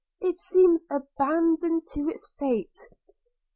It seems abandoned to its fate.'